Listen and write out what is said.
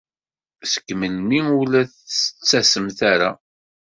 Seg melmi ur la d-tettasemt ara?